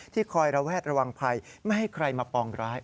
คอยระแวดระวังภัยไม่ให้ใครมาปองร้าย